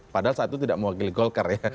padahal saat itu tidak mewakili golkar ya